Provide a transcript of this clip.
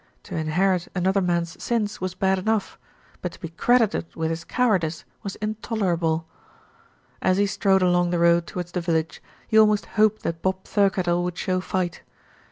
To inherit another man's sins was bad enough; but to be credited with his cowardice was intolerable. As he strode along the road towards the village, he almost hoped that Bob Thirkettle would show fight.